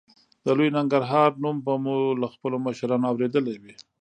د لوی ننګرهار نوم به مو له خپلو مشرانو اورېدلی وي.